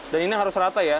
dan ini harus rata ya